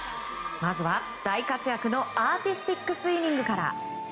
まずは大活躍のアーティスティックスイミングから。